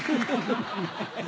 ハハハ。